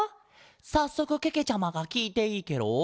さっそくけけちゃまがきいていいケロ？